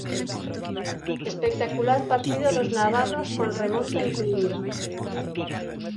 Espectacular partido dos navarros con remonta incluída.